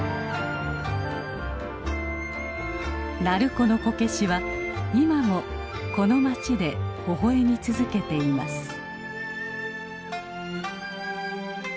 鳴子のこけしは今もこの町でほほ笑み続けています。